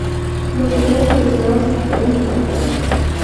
Los que fueron seleccionados se quitaron sus máscaras.